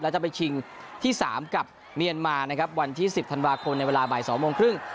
จะไปชิงที่๓กับเมียนมานะครับวันที่๑๐ธันวาคมในเวลาบ่าย๒โมงครึ่ง